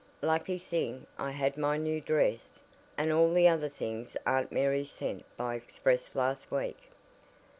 "Lucky thing I had my 'new' dress, and all the other things Aunt Mary sent by express last week.